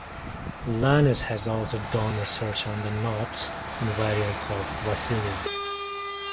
Lannes has also done research on the knot invariants of Vassiliev.